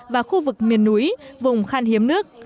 và khu vực miền núi vùng khăn hiếm nước